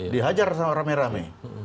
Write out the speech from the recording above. dihajar sama rame rame